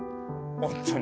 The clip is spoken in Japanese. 本当に。